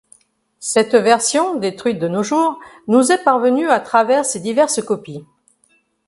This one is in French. Cette version, détruite de nos jours, nous est parvenue à travers ses diverses copies.